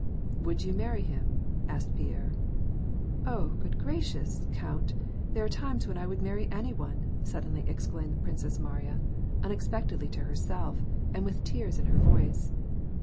" Would you marry him ?" asked Pierre. "Oh, good gracious, count! there are times when I would marry any one," suddenly exclaimed the Princess Mariya, unexpectedly to herself, and with tears in her voice.